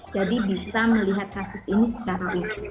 jadi bisa melihat kasus ini secara real